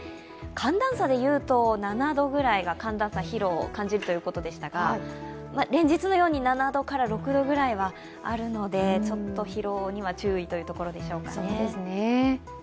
寒暖差でいうと７度ぐらいが寒暖差疲労を感じるということでしたが連日のように７度から６度ぐらいはあるのでちょっと疲労には注意というところでしょうか。